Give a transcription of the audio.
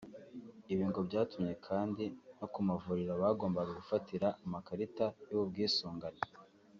Ibi ngo byatumye kandi no ku mavuriro bagombaga gufatira amakarita y’ubu bwisungane